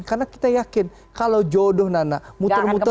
karena kita yakin kalau jodoh nana muter muter